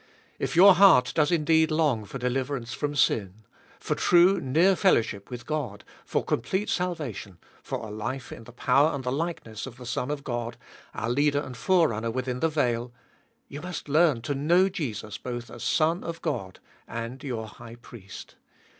If your heart does indeed long for deliverance from sin, for true near fellow ship with God, for complete salvation, for a life in the power and the likeness of the Son of God, our Leader and Forerunner within the veil —; you must learn to know Jesus both as Son of God and your High Priest.